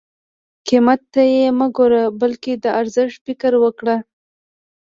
قیمت ته یې مه ګوره بلکې د ارزښت فکر وکړه.